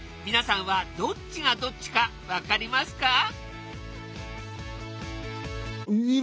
皆さんはどっちがどっちか分かりますか？